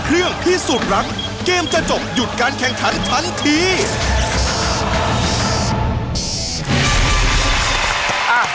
และจะบวกเพิ่มตามเวลาที่ฝ่ายหญิงเปิดแผ่นป้ายได้